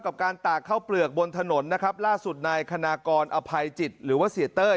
กับการตากข้าวเปลือกบนถนนนะครับล่าสุดนายคณากรอภัยจิตหรือว่าเสียเต้ย